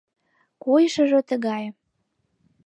Койышыжо тыгае.